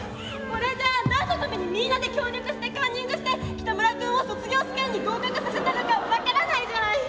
これじゃあ何のためにみんなで協力してカンニングしてキタムラ君を卒業試験に合格させたのか分からないじゃない！」。